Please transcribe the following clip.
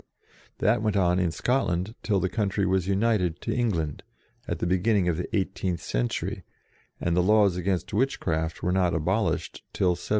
That went on in Scotland till the country was united to England, at the beginning of the eighteenth century, and the laws against witchcraft were not abolished till 1736.